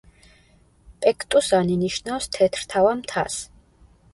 პექტუსანი ნიშნავს „თეთრთავა მთას“.